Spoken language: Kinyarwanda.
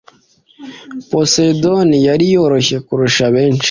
poseidon yari yoroshye kurusha benshi